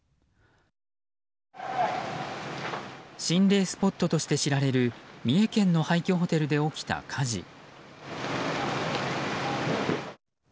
心霊スポットとして知られる三重県の廃虚ホテルで起きた火事。